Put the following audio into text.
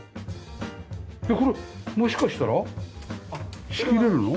これもしかしたら仕切れるの？